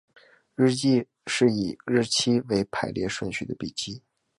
日记是以日期为排列顺序的笔记。